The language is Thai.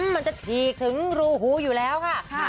มันจะฉีกถึงรูหูอยู่แล้วค่ะ